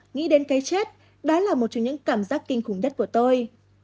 nghĩ đến cái chết đó là một trong những cảm giác kinh khủng nhất của tôi